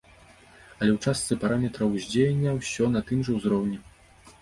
Але ў частцы параметраў уздзеяння ўсё на тым жа ўзроўні.